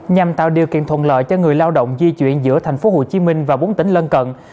nhằm tạo điều kiện thuận lợi cho người lao động di chuyển giữa tp hcm và bốn tỉnh lân cận